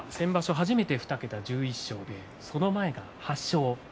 初めて２桁１１勝その前が８勝。